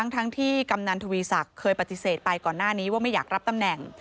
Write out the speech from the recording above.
ทั้งที่กำนันทวีศักดิ์เคยปฏิเสธไปก่อนหน้านี้ว่าไม่อยากรับตำแหน่ง